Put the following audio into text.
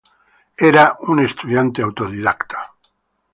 Era un estudiante autodidacta.